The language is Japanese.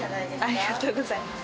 ありがとうございます。